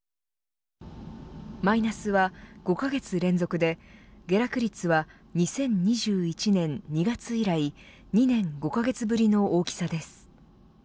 マイナスは５カ月連続で下落率は２０２１年２月以来２年５カ月ぶりの大きさです。